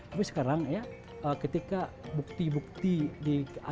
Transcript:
tapi sekarang ketika bukti bukti diajukan oleh dunia